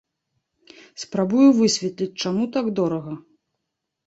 Спрабую высветліць, чаму так дорага?